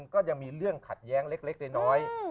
ก็ยังมีเรื่องขัดแย้งเล็กน้อย